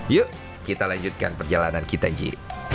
yuk kita lanjutkan perjalanan kita ji